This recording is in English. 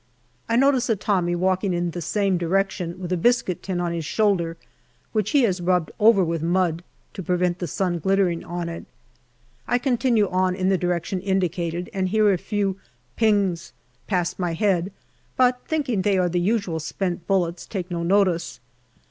I notice a Tommy walking in the same direction with a biscuit tin on his shoulder, which he has rubbed over with mud to prevent the sun glittering on it. I con tinue on in the direction indicated, and hear a few " pings " 90 GALLIPOLI DIARY past my head, but thinking they are the usual spent bullets, take no notice.